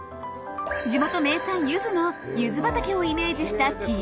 地元名産ゆずのゆず畑をイメージした黄色い柱。